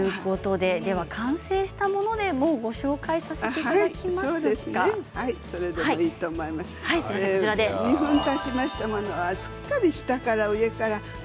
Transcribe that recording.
では完成したものでご紹介させていただきますか。